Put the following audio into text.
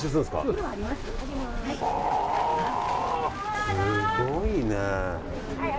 すごいね。